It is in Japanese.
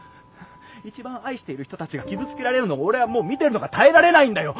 一番愛している人たちが傷つけられるのを俺はもう見てるのが耐えられないんだよ。